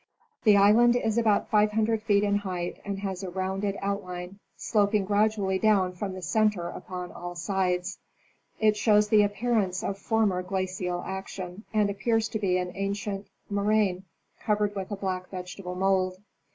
The island is about 500 feet in height and has a rounded out line, sloping gradually down from the center upon all sides. It shows the appearance of former glacial action, and appears to be an ancient moraine covered with a black vegetable mould.